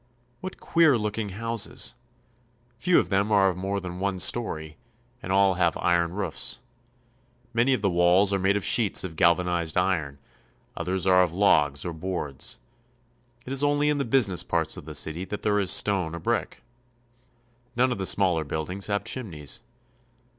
What queer looking houses ! Few of them are of more than one story, and all have iron roofs. Many of the walls are made of sheets of galvanized iron ; others are of logs or boards. It is only in the business parts of the city that there is stone or brick. None of the smaller buildings have chimneys.